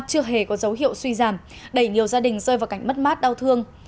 chưa hề có dấu hiệu suy giảm đẩy nhiều gia đình rơi vào cảnh mất mát đau thương